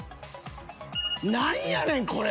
何やねんこれ。